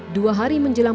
dua hari menjelang